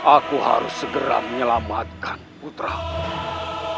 aku harus segera menyelamatkan putraku